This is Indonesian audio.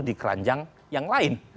di keranjang yang lain